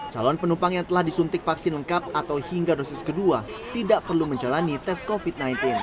calon penumpang yang telah disuntik vaksin lengkap atau hingga dosis kedua tidak perlu menjalani tes covid sembilan belas